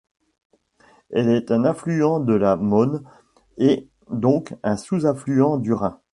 Elle est un affluent de la Möhne et donc un sous-affluent du Rhin.